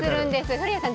古谷さん